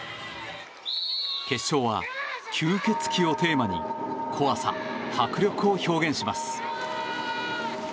決勝は吸血鬼をテーマに怖さ、迫力を表現します。